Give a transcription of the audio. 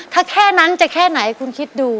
ถ้าแค่นั้นจะแค่ไหนคุณคิดดู